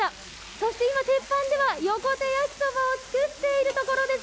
そして今、鉄板では横手やきそばを作っているところです。